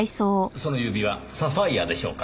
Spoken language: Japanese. その指輪サファイアでしょうか？